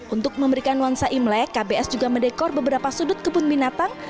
untuk memberikan nuansa imlek kbs juga mendekor beberapa sudut kebun binatang